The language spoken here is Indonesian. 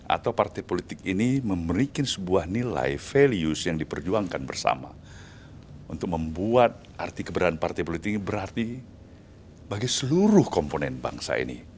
atau partai politik ini memberikan sebuah nilai values yang diperjuangkan bersama untuk membuat arti keberadaan partai politik ini berarti bagi seluruh komponen bangsa ini